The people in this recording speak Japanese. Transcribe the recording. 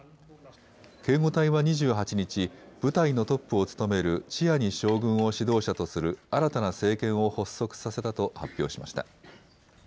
警護隊は２８日、部隊のトップを務めるチアニ将軍を指導者とする新たな政権を発足させたと発表しました。